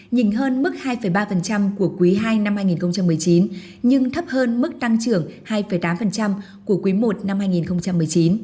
nhìn hơn mức hai ba của quý ii năm hai nghìn một mươi chín nhưng thấp hơn mức tăng trưởng hai tám của quý i năm hai nghìn một mươi chín